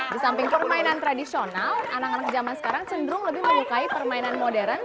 di samping permainan tradisional anak anak zaman sekarang cenderung lebih menyukai permainan modern